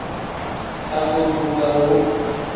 Afobuvalu.